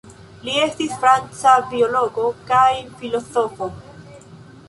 Li estis franca biologo kaj filozofo.